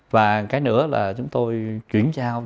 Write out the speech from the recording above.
và cái nữa là chúng tôi chuyển giao